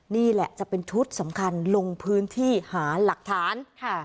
นี่แหละจะเป็นชุดสำคัญลงพื้นที่หาหลักฐานค่ะ